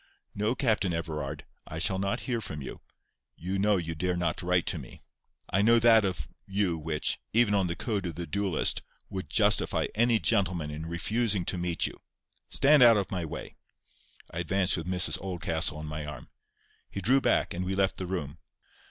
"No, Captain Everard, I shall not hear from you. You know you dare not write to me. I know that of you which, even on the code of the duellist, would justify any gentleman in refusing to meet you. Stand out of my way!" I advanced with Miss Oldcastle on my arm. He drew back; and we left the room.